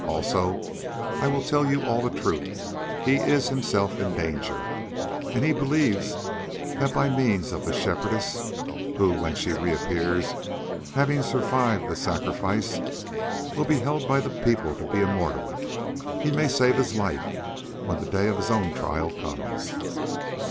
Also, for I will tell you all the truth, he is himself in danger, and he believes that by means of the Shepherdess—who, when she reappears having survived the sacrifice, will be held by the people to be immortal—he may save his life when the day of his own trial comes."